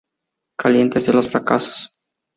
Caliente de los fracasos de "Sgt.